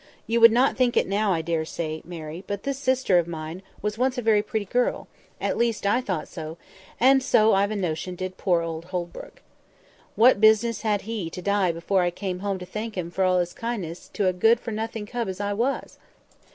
You would not think it now, I dare say, Mary; but this sister of mine was once a very pretty girl—at least, I thought so, and so I've a notion did poor Holbrook. What business had he to die before I came home to thank him for all his kindness to a good for nothing cub as I was?